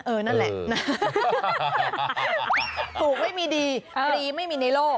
นั่นแหละถูกไม่มีดีฟรีไม่มีในโลก